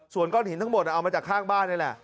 ส่วนก้อนหินทั้งหมดเอามาจากข้างบ้านนี่แหละ